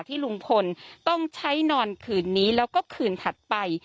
ที่ลุงพลต้องใช้นอนคืนนี้แล้วก็คืนถัดไป